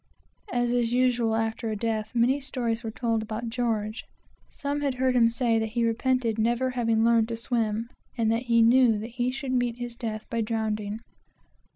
As is usual after a death, many stories were told about George. Some had heard him say that he repented never having learned to swim, and that he knew that he should meet his death by drowning.